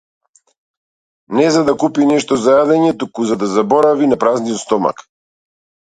Не за да купи нешто за јадење, туку за да заборави на празниот стомак.